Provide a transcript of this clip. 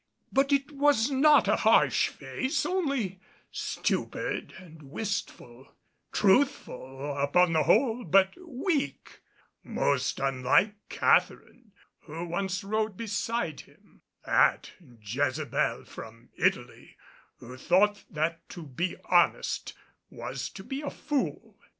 But it was not a harsh face only stupid and wistful truthful, upon the whole, but weak; most unlike Catharine, who once rode beside him that Jezebel from Italy, who thought that to be honest was to be a fool.